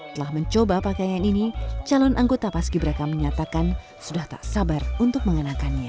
telah mencoba pakaian ini calon anggota paski braka menyatakan sudah tak sabar untuk mengenakannya